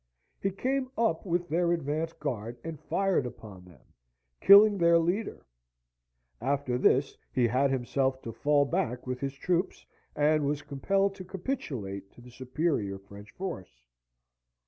He came up with their advanced guard and fired upon them, killing their leader. After this he had himself to fall back with his troops, and was compelled to capitulate to the superior French force.